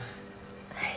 はい。